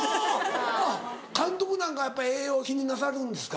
あっ監督なんかはやっぱり栄養気になさるんですか？